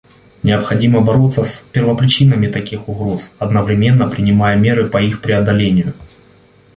Необходимо бороться с первопричинами таких угроз, одновременно принимая меры по их преодолению.